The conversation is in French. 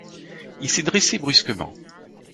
Il s’est dressé brusquement...